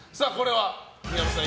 宮本さん